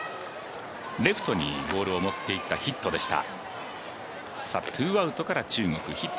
レフトにボールを持っていったヒットでした。